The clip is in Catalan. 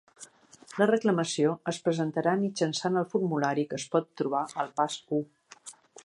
La reclamació es presentarà mitjançant el formulari que es pot trobar al Pas u.